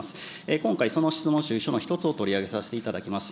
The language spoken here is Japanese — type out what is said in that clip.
今回、その質問主意書の１つを取り上げさせていただきます。